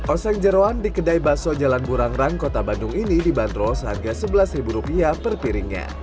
ose jerawan di kedai bakso jalan burang rang kota bandung ini dibantul seharga rp sebelas per piringnya